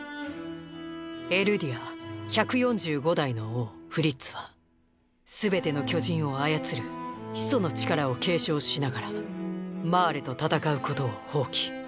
エルディア１４５代の王フリッツはすべての巨人を操る「始祖の力」を継承しながらマーレと戦うことを放棄。